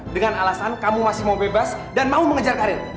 dengan alasan kamu masih mau bebas dan mau mengejar karir